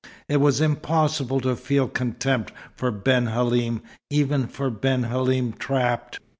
It was impossible to feel contempt for Ben Halim, even for Ben Halim trapped.